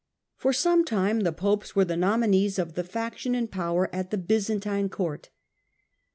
For some time the Popes were the nominees of the faction in power at the Byzantine Court.